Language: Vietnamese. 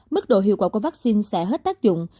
mức độ hiệu quả của vaccine sẽ hết tác dụng